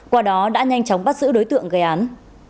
qua đó đã nhanh chóng bắt giữ đối tượng gây án